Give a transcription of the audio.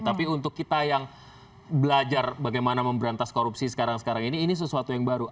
tapi untuk kita yang belajar bagaimana memberantas korupsi sekarang sekarang ini ini sesuatu yang baru